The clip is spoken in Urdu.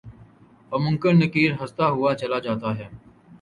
اور منکر نکیرہستہ ہوا چلا جاتا ہے